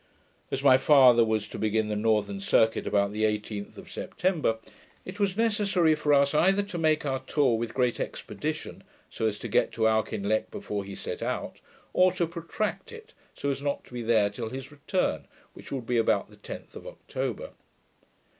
As my father was to begin the northern circuit about the 18th of September, it was necessary for us to make our tour with great expedition, so as to get to Auchinleck before he set out, or to protract it, so as not to be there till his return, which would be about the 10th of October.